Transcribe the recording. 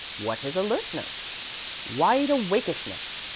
What is 'alertness?' Wide awakeishness.